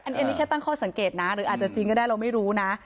อันนี้แค่ตั้งข้อสังเกตนะหรืออาจจะจริงก็ได้เราไม่รู้นะ